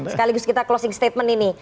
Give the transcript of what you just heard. sekaligus kita closing statement ini